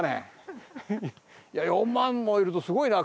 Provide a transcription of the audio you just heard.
いや４万もいるとすごいな。